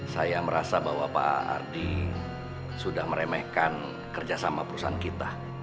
saya merasa bahwa pak ardi sudah meremehkan kerjasama perusahaan kita